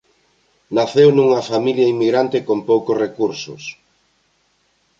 Naceu nunha familia inmigrante e con poucos recursos.